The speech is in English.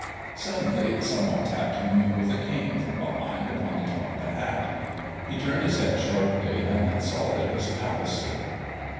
Suddenly some one tapped him with a cane from behind upon the top of the hat. He turned his head sharply and saw that it was Palliser.